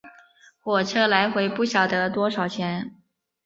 火车来回不晓得多少钱